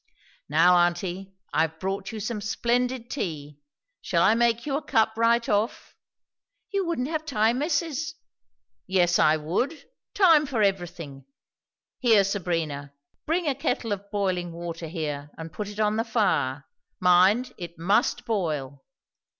"Now, aunty, I've brought you some splendid tea. Shall I make you a cup, right off?" "You wouldn't have time missus " "Yes, I would! Time for everything. Here, Sabrina, bring a kettle of boiling water here and put it on the fire; mind, it must boil."